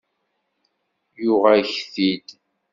Yuɣ-ak-t-id.